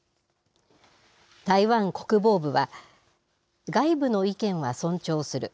台湾国防部は、外部の意見は尊重する。